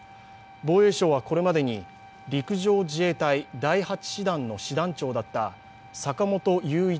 防衛省はこれまでに陸上自衛隊第８師団の師団長だった坂本雄一